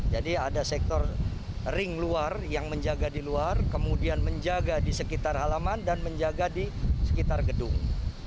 jadi ada sektor ring luar yang menjaga di luar kemudian menjaga di sekitar halaman dan menjaga di sekitar gedung